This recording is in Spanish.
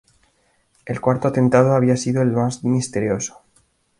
El cuarto atentado había sido el más misterioso.